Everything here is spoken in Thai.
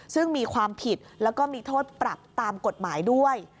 ซึ่งมีความผิดแล้วก็มีโทษปรับตามกฎหมายด้วย